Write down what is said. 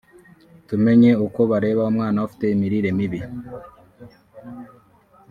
tumenya uko bareba umwana ufite imirire mibi